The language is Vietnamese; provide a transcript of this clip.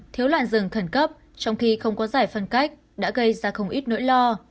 thiếu làn rừng khẩn cấp trong khi không có giải phân cách đã gây ra không ít nỗi lo